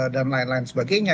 dan lain lain sebagainya